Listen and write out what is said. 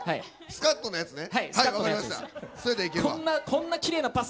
スカッとのやつね。